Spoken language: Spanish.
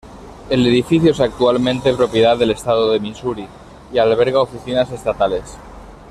El edificio es actualmente propiedad del Estado de Misuri y alberga oficinas estatales.